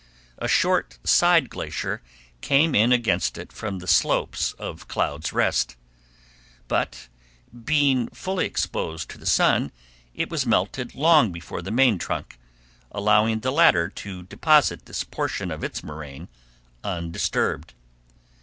A short side glacier came in against it from the slopes of Clouds' Rest; but being fully exposed to the sun, it was melted long before the main trunk, allowing the latter to deposit this portion of its moraine undisturbed.